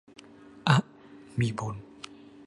อ๊ะ มีบุญ